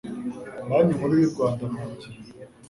Banki Nkuru y u Rwanda mu ngingo